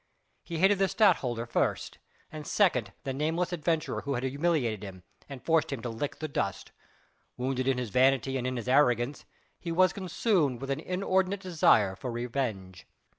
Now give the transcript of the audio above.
He hated the Stadtholder first, and secondly the nameless adventurer who had humiliated him and forced him to lick the dust: wounded in his vanity and in his arrogance he was consumed with an inordinate desire for revenge.